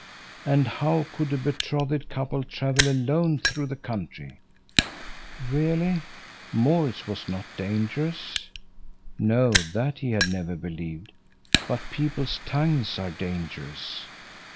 And how could a betrothed couple travel alone through the country?—Really, Maurits was not dangerous. No, that he had never believed, but people's tongues are dangerous.